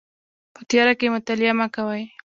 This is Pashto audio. په تیاره کې مطالعه مه کوئ